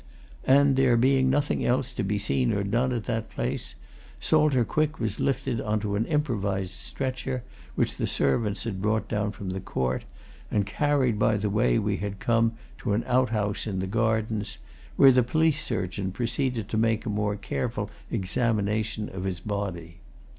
And there being nothing else to be seen or done at that place, Salter Quick was lifted on to an improvised stretcher which the servants had brought down from the Court and carried by the way we had come to an outhouse in the gardens, where the police surgeon proceeded to make a more careful examination of his body.